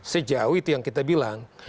sejauh itu yang kita bilang